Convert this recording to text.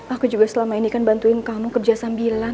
aku juga selama ini kan bantuin kamu kerja sambilan